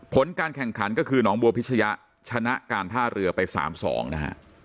ผลการแข่งขันก็คือหนองบัวพิชยะชนะการท่าเรือไป๓๒นะฮะ